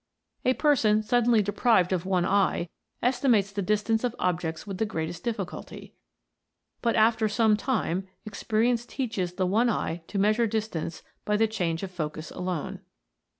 A person suddenly deprived of one eye estimates the dis tance of objects with the greatest difficulty ; but after some time, experience teaches the one eye to measure distance by the change of focus alone.